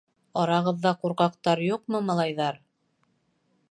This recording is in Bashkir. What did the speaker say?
Арағыҙҙа ҡурҡаҡтар юҡмы, малайҙар?